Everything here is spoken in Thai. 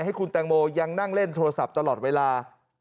ให้คุณแตงโมยังนั่งเล่นโทรศัพท์ตลอดเวลา